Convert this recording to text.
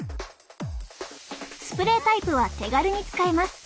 スプレータイプは手軽に使えます。